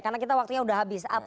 karena kita waktunya sudah habis